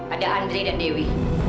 ada andri dan dewi